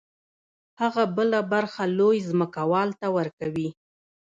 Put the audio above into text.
هغه بله برخه لوی ځمکوال ته ورکوي